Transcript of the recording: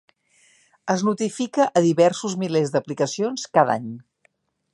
Es notifica a diversos milers d'aplicacions cada any.